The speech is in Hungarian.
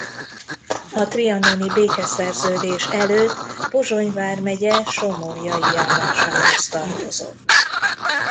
A trianoni békeszerződés előtt Pozsony vármegye Somorjai járásához tartozott.